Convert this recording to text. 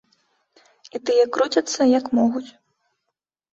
І тыя круцяцца, як могуць.